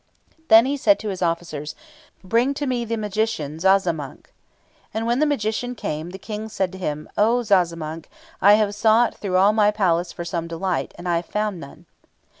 Then he said to his officers, 'Bring to me the magician Zazamankh.' And when the magician came, the King said to him, 'O Zazamankh, I have sought through all my palace for some delight, and I have found none.'